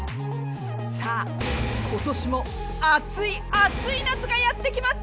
さあ、今年も暑い暑い夏がやってきます。